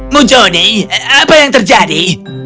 mujone apa yang terjadi